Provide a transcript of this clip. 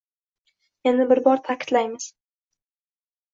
Yana bir bor ta’kidlaymiz